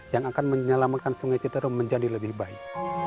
yang akan menyelamatkan sungai citarum menjadi lebih baik